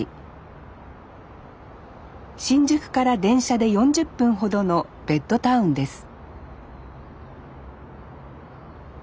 新宿から電車で４０分ほどのベッドタウンです